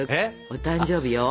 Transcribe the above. お誕生日よ？